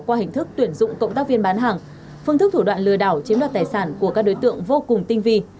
qua hình thức tuyển dụng cộng tác viên bán hàng phương thức thủ đoạn lừa đảo chiếm đoạt tài sản của các đối tượng vô cùng tinh vi